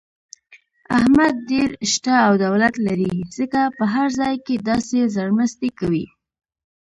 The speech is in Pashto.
احمد ډېر شته او دولت لري، ځکه په هر ځای کې داسې زرمستي کوي.